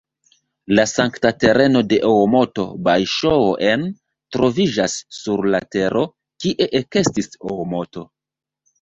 La sankta tereno de Oomoto "Bajŝoo-en" troviĝas sur la tero, kie ekestis Oomoto.